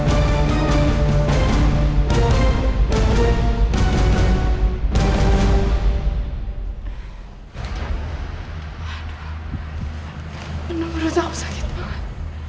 aduh benar benar sakit banget